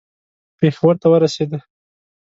پېښور ته ورسېدی.